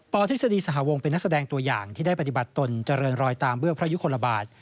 ทฤษฎีสหวงเป็นนักแสดงตัวอย่างที่ได้ปฏิบัติตนเจริญรอยตามเบื้องพระยุคลบาท